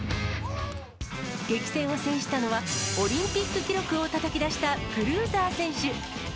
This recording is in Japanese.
激戦を制したのは、オリンピック記録をたたき出したクルーザー選手。